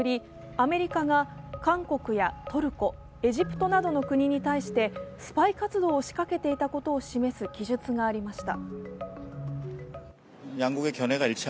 アメリカが韓国やトルコ、エジプトなどの国に対してスパイ活動を仕掛けていたことを示す記述がありました。